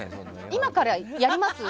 今からやります？